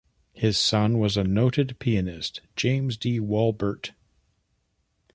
His son was a noted pianist, James D. Walbert.